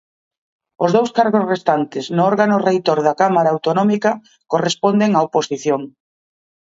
Os dous cargos restantes no órgano reitor da Cámara autonómica corresponden á oposición.